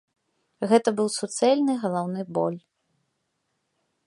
Гэта быў суцэльны галаўны боль.